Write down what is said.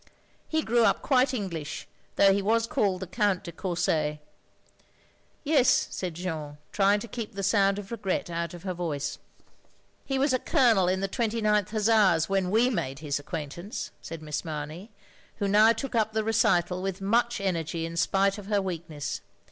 He grew up quite English though he was called the Count de Courset." "Yes, " said Jeanne, trying to keep the sound of regret out of her voice. "He was a Colonel in the 29th Hussars when we made his acquaintance," said Miss Mamey, who now took up the recital with much energy in spite of her weakness.